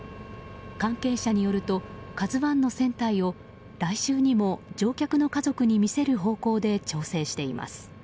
関係者によると「ＫＡＺＵ１」の船体を来週にも乗客の家族に見せる方向で調整しています。